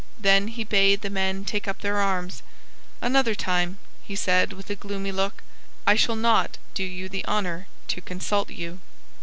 Then he bade the men take up their arms. "Another time," he said, with a gloomy look, "I shall not do you the honour to consult you."